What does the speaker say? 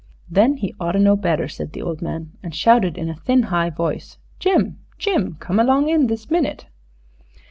"Then 'e oughter know better," said the old man, and shouted in a thin, high voice, "Jim, Jim, come along in this minute!"